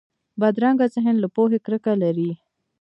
بدرنګه ذهن له پوهې کرکه لري